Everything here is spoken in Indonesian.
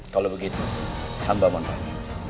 kalau begitu hamba menerima